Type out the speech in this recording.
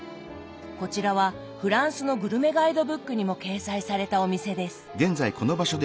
こちらはフランスのグルメガイドブックにも掲載されたお店です。